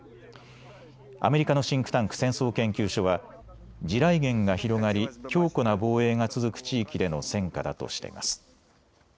アメリカのシンクタンク、戦争研究所は地雷原が広がり強固な防衛が続く地域での戦果だとしています。